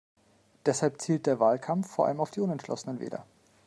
Deshalb zielt der Wahlkampf vor allem auf diese unentschlossenen Wähler.